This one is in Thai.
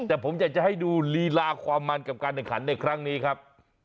แต่ผมอยากจะให้ดูลีลาความมันกับการแข่งขันในครั้งนี้ครับ